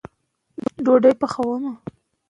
د ماشوم د لاسونو مينځل د لوبو وروسته مهم دي.